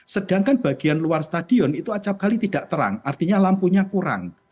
sedangkan bagian luar stadion itu acapkali tidak terang artinya lampunya kurang